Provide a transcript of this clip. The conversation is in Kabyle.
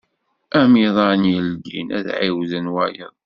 Amiḍan i ldin, ad ɛiwden wayeḍ.